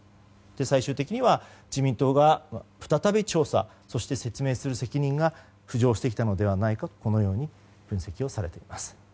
最終的には自民党が再び調査、説明する責任が浮上してきたのではないかと分析されています。